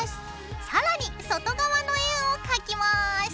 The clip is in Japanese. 更に外側の円を描きます。